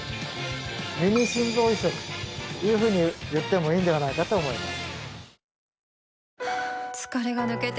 ミニ心臓移植というふうに言ってもいいんではないかと思います